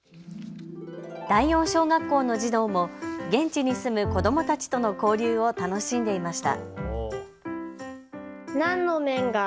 第四小学校の児童も現地に住む子どもたちとの交流を楽しんでいました。